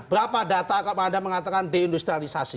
berapa data kepada mengatakan deindustrialisasi